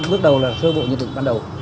bước đầu là sơ bộ nhất định ban đầu